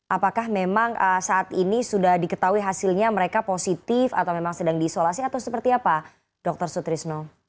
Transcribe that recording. apakah memang saat ini sudah diketahui hasilnya mereka positif atau memang sedang diisolasi atau seperti apa dr sutrisno